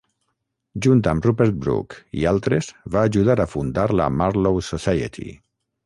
Junt amb Rupert Brooke i altres va ajudar a fundar la Marlowe Society.